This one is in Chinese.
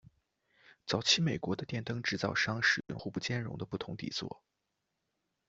早期美国的电灯制造商使用互不兼容的不同底座。